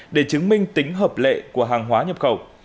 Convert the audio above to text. để chứng minh tính hợp lệ của hàng hóa nhập khẩu